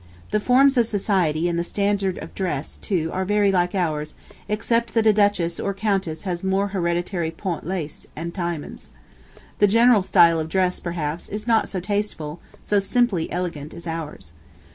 The forms of society and the standard of dress, too, are very like ours, except that a duchess or a countess has more hereditary point lace and diamonds. The general style of dress, perhaps, is not so tasteful, so simply elegant as ours.